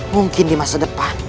mungkin di masa depan